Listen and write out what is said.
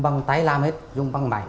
bằng tay làm hết dùng bằng máy